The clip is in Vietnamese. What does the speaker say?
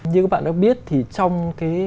như các bạn đã biết thì trong cái